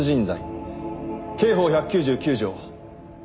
刑法１９９条。